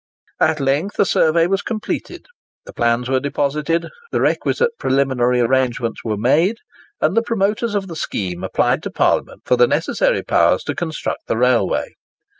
At length the survey was completed, the plans were deposited, the requisite preliminary arrangements were made, and the promoters of the scheme applied to Parliament for the necessary powers to construct the railway.